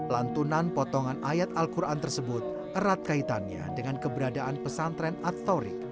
lantunan potongan ayat al quran tersebut erat kaitannya dengan keberadaan pesantren atorik